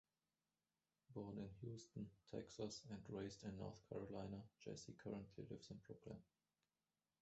Born in Houston, Texas, and raised in North Carolina, Jessee currently lives in Brooklyn.